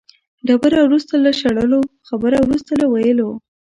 ډبره وروسته له شړلو، خبره وروسته له ویلو.